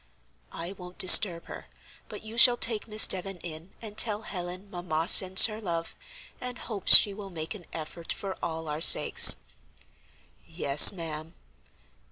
"I won't disturb her, but you shall take Miss Devon in and tell Helen mamma sends her love, and hopes she will make an effort for all our sakes." "Yes, ma'am."